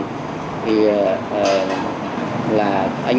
thì là anh